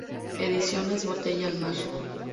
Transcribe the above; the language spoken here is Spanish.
Ediciones Botella al Mar.